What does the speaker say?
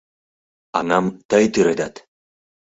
Аҥам тый тӱредат!